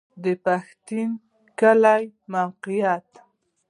د پښتین کلی موقعیت